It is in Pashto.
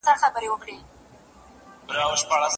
پخوانۍ زمانه په کتابونو کي پاته ده.